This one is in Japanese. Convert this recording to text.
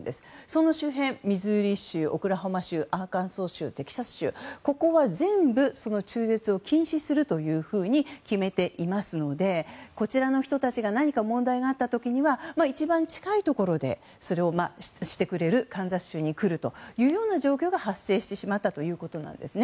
その周辺、ミズーリ州アーカンソー州、テキサス州ここは全部、その中絶を禁止するというふうに決めていますのでこちらの人たちが何か問題があった時には一番近いところでそれをしてくれるカンザス州に来るというような状況が発生してしまったということです。